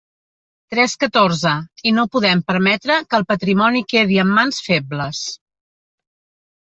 Trescatorze–, i no podem permetre que el patrimoni quedi en mans febles.